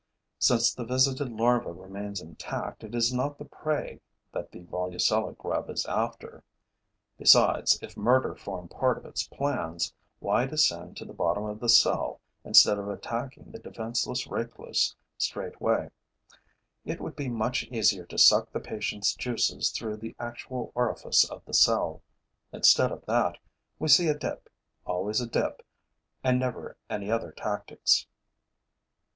Since the visited larva remains intact, it is not prey that the Volucella grub is after. Besides, if murder formed part of its plans, why descend to the bottom of the cell, instead of attacking the defenseless recluse straight way? It would be much easier to suck the patient's juices through the actual orifice of the cell. Instead of that, we see a dip, always a dip and never any other tactics.